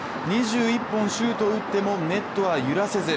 ２１本シュートを打ってもネットは揺らせず。